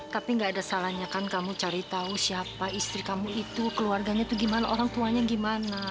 tapi gak ada salahnya kan kamu cari tahu siapa istri kamu itu keluarganya itu gimana orang tuanya gimana